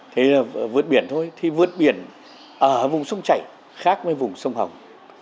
thì vượt biển thôi thì vượt biển ở vùng sông chảy khác với vùng sông hồng